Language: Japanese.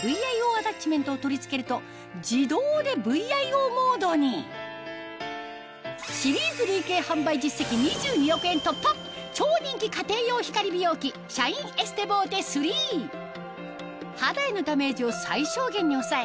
アタッチメントを取り付けると自動でＶＩＯモードに超人気家庭用光美容器シャインエステボーテ３肌へのダメージを最小限に抑え